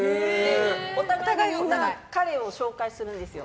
お互いに彼を紹介するんですよ。